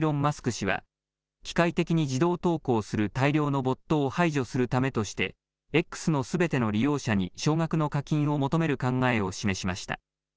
氏は機械的に自動投稿する大量のボットを排除するためとしてＸのすべての利用者に少額の課金を求める考えを示しました。